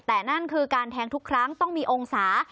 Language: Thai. แต่นั่นคือการแทงทุกครั้งต้องมีองศา